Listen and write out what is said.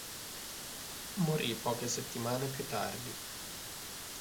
Morì poche settimane più tardi.